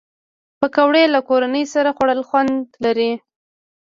پکورې له کورنۍ سره خوړل خوند لري